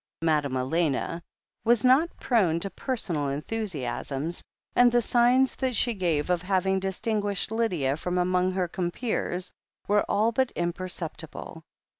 Madame Elena was not prone to personal enthusi asms, and the signs that she gave of having distin guished Lydia from among her compeers, were all but imperceptible.